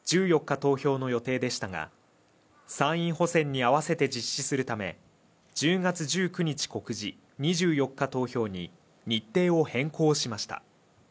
投票の予定でしたが参院補選に合わせて実施するため１０月１９日告示２４日投票に日程を変更しました